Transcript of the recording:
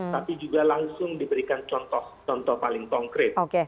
tapi juga langsung diberikan contoh contoh paling konkret